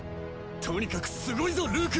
とにかくすごいぞルーク！